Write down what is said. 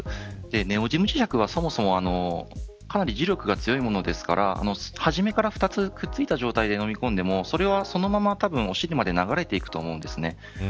ネオジム磁石は、そもそもかなり磁力が強いものですから初めから２つくっついた状態でのみ込んでもそれは、そのまま多分おしりまで流れていくと思うんですね。